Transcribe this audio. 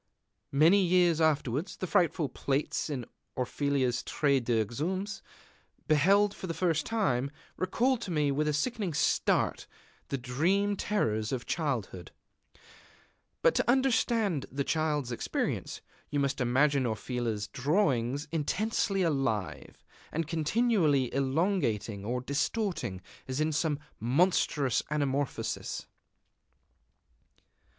Many years afterwards, the frightful plates in Orfila's Traité des Exhumés, beheld for the first time, recalled to me with a sickening start the dream terrors of childhood. But to understand the Child's experience, you must imagine Orfila's drawings intensely alive, and continually elongating or distorting, as in some monstrous anamorphosis.